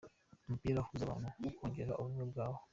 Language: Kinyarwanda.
Umupira uhuza abantu, ukongera ubumwe bwabo.